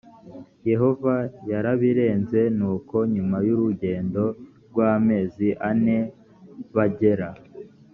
yehova yarabarinze nuko nyuma y urugendo rw amezi ane bagera